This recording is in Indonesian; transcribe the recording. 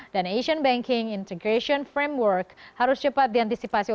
dan asian banking integration framework harus cepat diantikasi